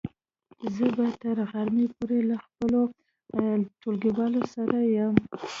زه به تر غرمې پورې له خپلو ټولګیوالو سره يم.